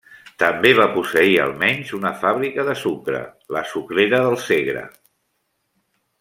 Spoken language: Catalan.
També va posseir almenys una fàbrica de sucre, la Sucrera del Segre.